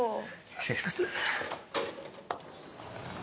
失礼します。